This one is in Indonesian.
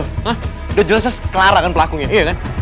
hah udah jelas jelas clara kan pelakunya iya kan